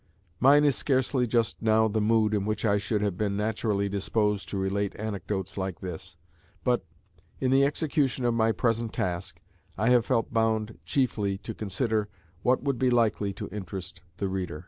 Mine is scarcely just now the mood in which I should have been naturally disposed to relate anecdotes like this; but, in the execution of my present task, I have felt bound chiefly to consider what would be likely to interest the reader.